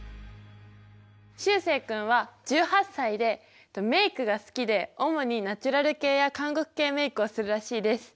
しゅうせい君は１８歳でメイクが好きで主にナチュラル系や韓国系メイクをするらしいです。